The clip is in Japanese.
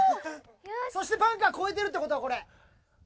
そしてバンカー越えてるってことだこれ。